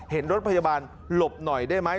เห็นรถพยาบาลหลบหน่อยได้ไหม